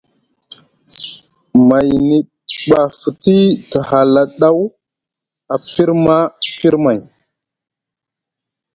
Mayni ɓa fti te hala ɗaw a pirma pirmay.